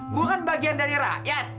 gue kan bagian dari rakyat